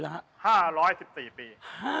๕ร้อย๑๔ปี